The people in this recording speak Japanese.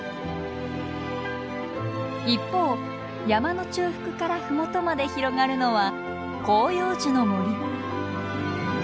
一方山の中腹から麓まで広がるのは広葉樹の森。